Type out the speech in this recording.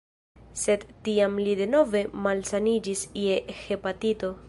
Sed tiam li denove malsaniĝis je hepatito.